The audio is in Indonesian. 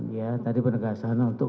ya tadi penegasan untuk